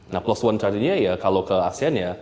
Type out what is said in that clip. nah plus one charge nya ya kalau ke asean ya